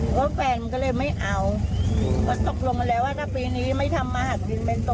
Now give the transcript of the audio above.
เพราะว่าแฟนมันก็เลยไม่เอาก็ตกลงแล้วว่าถ้าปีนี้ไม่ทำมาหักจริง